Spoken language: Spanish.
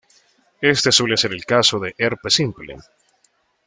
Este suele ser el caso del herpes simple.